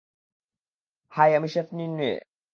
High, আমি chef ফিনওয়ে।